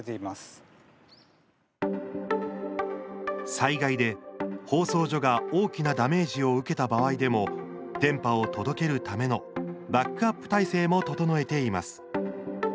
災害で放送所が大きなダメージを受けた場合でも電波を届けるためのバックアップ体制も整えています。